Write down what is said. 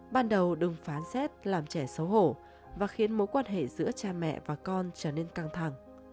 ban đầu đừng phán xét làm trẻ xấu hổ và khiến mối quan hệ giữa cha mẹ và con trở nên căng thẳng